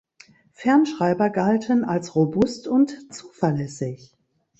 Fernschreiber galten als robust und zuverlässig.